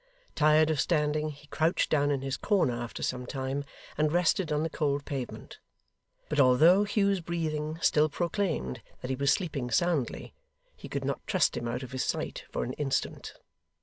Tired of standing, he crouched down in his corner after some time, and rested on the cold pavement; but although Hugh's breathing still proclaimed that he was sleeping soundly, he could not trust him out of his sight for an instant.